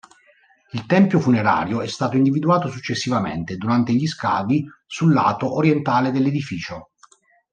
Il tempio funerario è stato individuato successivamente durante gli scavi sul lato orientale dell'edificio.